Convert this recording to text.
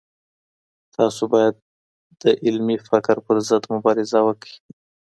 تاسو بايد د علمي فقر پر ضد مبارزه وکړئ.